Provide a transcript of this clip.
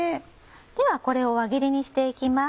ではこれを輪切りにして行きます。